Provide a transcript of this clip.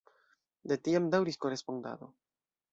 De tiam daŭris korespondado.